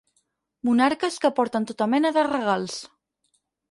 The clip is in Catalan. Monarques que porten tota mena de regals.